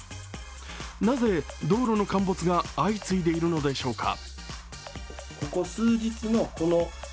なぜ道路の陥没が相次いでいるのでしょうか。